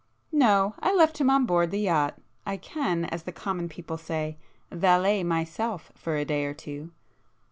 "No. I left him on board the yacht. I can, as the common people say, 'valet myself' for a day or two."